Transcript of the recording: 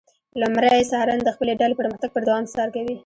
لمری څارن د خپلې ډلې پرمختګ پر دوام څار کوي.